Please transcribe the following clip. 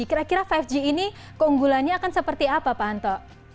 kira kira lima g ini keunggulannya akan seperti apa pak anto